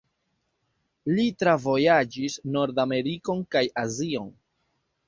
Li travojaĝis Nord-Amerikon kaj Azion.